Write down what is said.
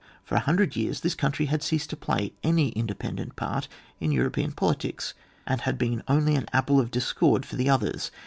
For a hundred years this country had ceased to play any independent part in European politics, and had been only an apple of discord for the others.